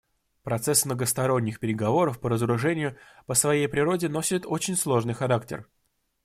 Процесс многосторонних переговоров по разоружению по своей природе носит очень сложный характер.